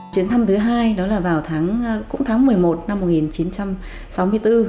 chuyến thăm thứ hai đó là vào tháng một mươi một năm một nghìn chín trăm sáu mươi bốn